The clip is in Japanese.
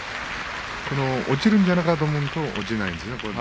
落ちるんじゃないかと思うと落ちないんですよね。